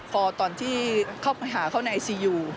พอตอนที่เขาไปหาเขาในอะซีโออยู่